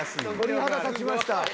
鳥肌立ちました。